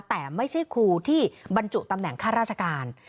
แต่ไม่ใช่ครูที่บรรจุตำแหน่งข้าราชการ